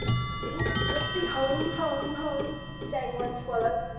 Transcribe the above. "Isn't it good to be home, home, home!" sang one Swallow.